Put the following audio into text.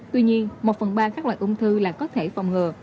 tuy nhiên một phần ba các loại ung thư là có thể phòng ngừa